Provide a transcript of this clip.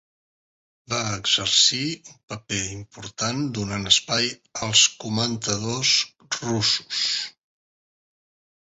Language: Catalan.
Va "exercir un paper important donant espai als comentadors russos".